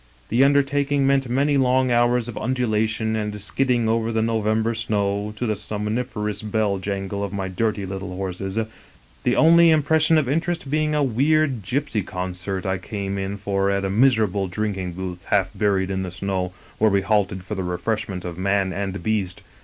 "The undertaking meant many long hours of undula tion and skidding over the November snow, to the som niferous bell jangle of my dirty little horses, the only im pression of interest being a weird gypsy concert I came in for at a miserable drinking booth half buried in the snow where we halted for the refreshment of man and beast.